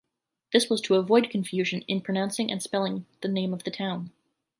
This was to avoid confusion in pronouncing and spelling the name of the town.